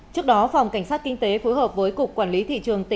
trước đó phòng cảnh sát kinh tế phối hợp với cục quản lý thị trường tỉnh